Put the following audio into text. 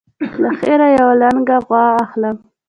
له خیره یوه لنګه غوا اخلم.